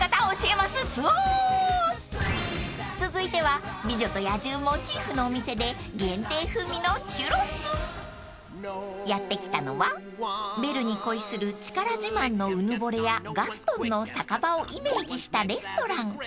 ［続いては『美女と野獣』モチーフのお店で限定風味のチュロス］［やって来たのはベルに恋する力自慢のうぬぼれ屋ガストンの酒場をイメージしたレストラン］